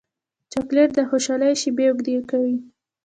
چاکلېټ د خوشحالۍ شېبې اوږدې کوي.